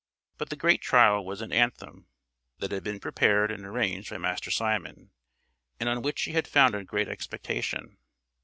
But the great trial was an anthem that had been prepared and arranged by Master Simon, and on which he had founded great expectation.